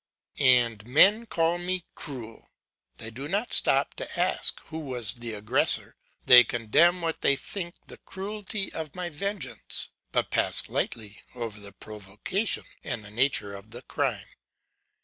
'And men call me cruel! They do not stop to ask who was the aggressor; they condemn what they think the cruelty of my vengeance, but pass lightly over the provocation, and the nature of the crime.